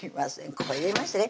ここ入れましてね